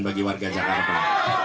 bagi warga jakarta